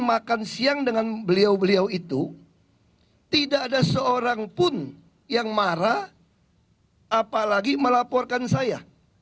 makan siang dengan beliau beliau itu tidak ada seorang pun yang marah apalagi melaporkan saya